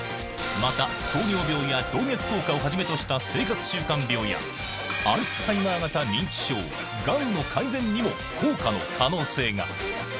また、糖尿病や動脈硬化をはじめとした生活習慣病や、アルツハイマー型認知症、がんの改善にも効果の可能性が。